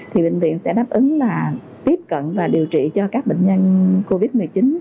thì bệnh viện sẽ đáp ứng là tiếp cận và điều trị cho các bệnh nhân covid một mươi chín